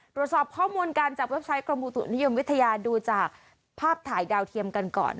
ตรวจสอบข้อมูลการจับเว็บไซต์กรมอุตุนิยมวิทยาดูจากภาพถ่ายดาวเทียมกันก่อน